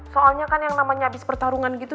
soalnya kan yang namanya abis pertarungan gitu